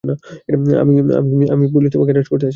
আমি পুলিশ তোমাকে এরেস্ট করতে আসি নি।